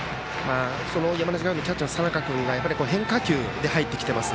その山梨学院のキャッチャーの佐仲君が変化球で入ってきています。